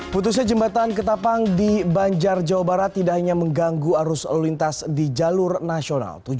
putusnya jembatan ketapang di banjar jawa barat tidak hanya mengganggu arus lalu lintas di jalur nasional